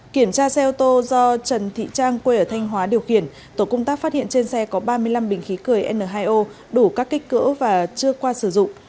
kiểm tra xe ô tô do trần thị trang quê ở thanh hóa điều khiển tổ công tác phát hiện trên xe có ba mươi năm bình khí cười n hai o đủ các kích cỡ và chưa qua sử dụng